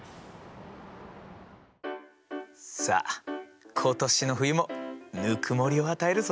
さあ今年の冬もぬくもりを与えるぞ。